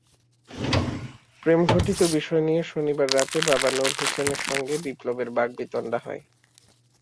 প্রেমঘটিত বিষয় নিয়ে শনিবার রাতে বাবা নূর হোসেনের সঙ্গে বিপ্লবের বাগিবতণ্ডা হয়।